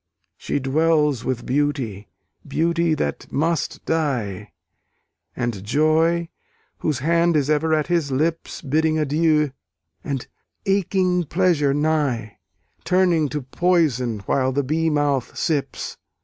She dwells with Beauty Beauty that must die; And Joy, whose hand is ever at his lips Bidding adieu; and aching Pleasure nigh, Turning to poison while the bee mouth sips.